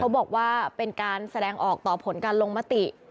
บอกว่าเป็นการแสดงออกต่อผลการลงมติ